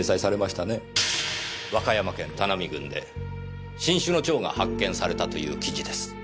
和歌山県田波郡で新種の蝶が発見されたという記事です。